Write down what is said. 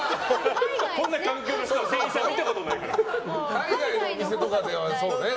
海外のお店とかではね